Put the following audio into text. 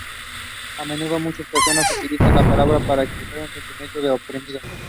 A menudo muchas personas utilizan esta palabra para expresar un sentimiento oprimido.